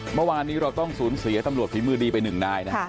เมื่อวานนี้เราต้องสูญเสียธรรมลัวภิมรดีไป๑นาที